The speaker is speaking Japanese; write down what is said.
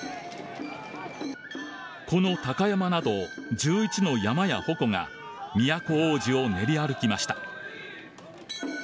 この鷹山など、１１の山や鉾が都大路を練り歩きました。